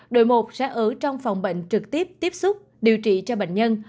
đội một sẽ ở trong phòng bệnh trực tiếp tiếp xúc điều trị cho bệnh nhân